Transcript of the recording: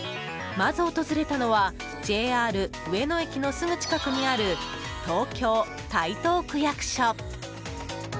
まず訪れたのはＪＲ上野駅のすぐ近くにある東京・台東区役所。